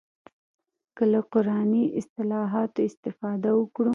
که له قراني اصطلاحاتو استفاده وکړو.